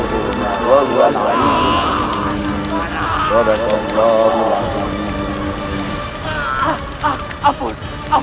terban billah ini p scientist terkenal